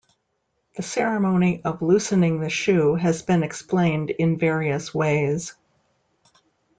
The ceremony of loosening the shoe has been explained in various ways.